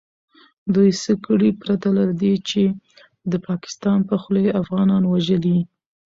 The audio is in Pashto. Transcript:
دوئ څه کړي پرته له دې چې د پاکستان په خوله يې افغانان وژلي .